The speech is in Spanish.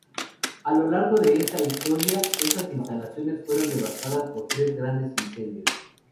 A lo largo de esa historia, esas instalaciones fueron devastadas por tres grandes incendios.